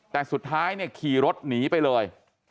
แต่สุดท้ายเนี่ยขี่รถหนีไปเลย